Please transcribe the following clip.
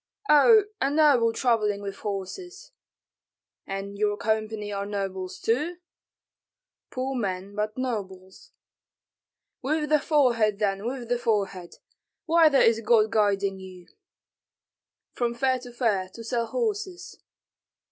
"Oh, a noble travelling with horses." "And your company are nobles too?" "Poor men, but nobles." "With the forehead, then, with the forehead. Whither is God guiding you?" "From fair to fair, to sell horses."